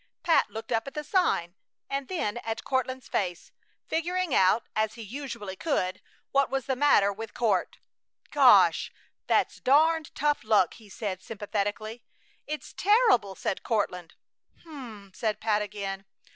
Pat looked up at the sign and then at Courtland's face, figuring out, as he usually could, what was the matter with Court. "Gosh! That's darned tough luck!" he said, sympathetically. "It's terrible!" said Courtland. "H'm!" said Pat, again.